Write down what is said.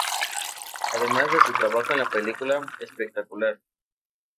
Además de su trabajo en la película "Spectacular!